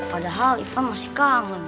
padahal ivan masih kangen